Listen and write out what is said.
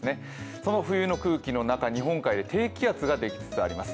その冬の空気の中、日本海で低気圧ができつつあります。